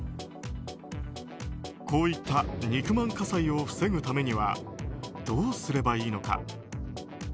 こういった肉まん火災を防ぐためにはどうすればいいのか。